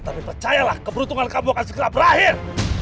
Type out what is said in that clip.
tapi percayalah keberuntungan kamu akan segera berakhir